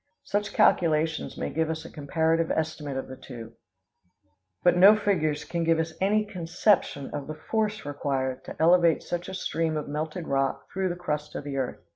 Such calculations may give us a comparative estimate of the two; but no figures can give us any conception of the force required to elevate such a stream of melted rock through the crust of the earth.